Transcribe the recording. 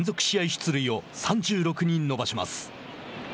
出塁を３６に伸ばします。